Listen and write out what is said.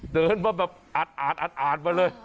เดินมาแบบอาดมาเลย